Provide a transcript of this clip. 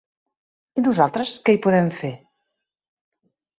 I nosaltres què hi podem fer?